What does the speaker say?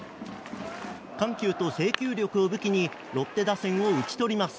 緩急と制球力を武器にロッテ打線を打ち取ります。